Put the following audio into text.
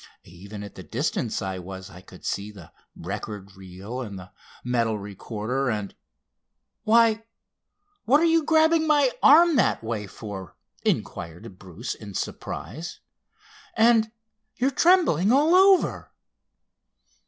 "Even at the distance I was I could see the record reel and the metal recorder, and—why, what are you grabbing my arm that way for?" inquired Bruce in surprise. "And you're trembling all over."